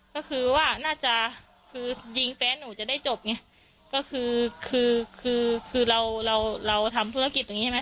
ก็คือว่าน่าจะคือยิงแฟนหนูจะได้จบไงก็คือคือคือเราเราทำธุรกิจตรงนี้ใช่ไหม